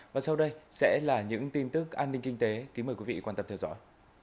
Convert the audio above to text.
và sau đây sẽ là những tin tức an ninh kinh tế kính mời quý vị quan tâm theo dõi